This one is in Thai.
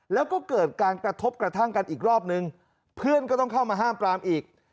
แล้วก็เกิดการกระทบกระทั่งกันอีกรอบนึงเพื่อนก็ต้องเข้ามาห้ามปรามอีก